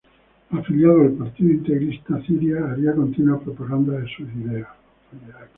Afiliado al Partido Integrista, Ciria haría continua propaganda de sus ideas.